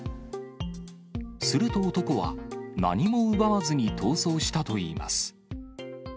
すると男は、何も奪わずに逃走したといいます。